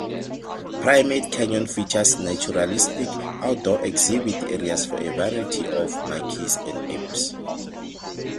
'Primate Canyon features naturalistic, outdoor exhibit areas for a variety of monkeys and apes.